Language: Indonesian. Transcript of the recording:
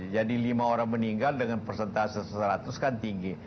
jadi lima orang meninggal dengan persentase seratus kan tinggi